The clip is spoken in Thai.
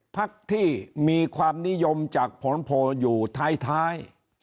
พักที่มีความนิยมจากผลโพลอยู่ท้าย